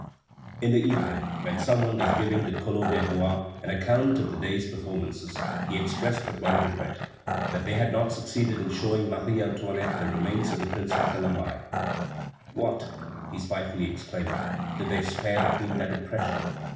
In the evening, when some one was giving Collot d'Herbois an account of the day's performances, he expressed but one regret, that they had not succeeded in showing Marie Antoinette the remains of the Princess de Lamballe. "What!" he spitefully exclaimed, "did they spare the Queen that impression?